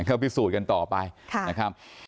ครับพิสูจน์กันต่อไปค่ะนะครับ